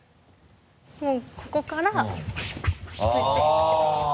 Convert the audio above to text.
もうここからこうやって。